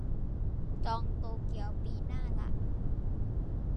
จองโตเกียวปีหน้าละ